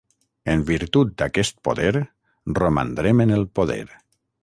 En virtut d'aquest poder, romandrem en el poder.